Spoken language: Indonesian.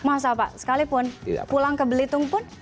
mas apa sekalipun pulang ke belitung pun